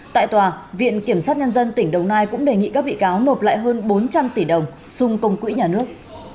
tại tòa viện kiểm sát nhân dân tỉnh đồng nai cũng đề nghị các bị cáo nộp lại hơn bốn trăm linh tỷ đồng xung công quỹ nhà nước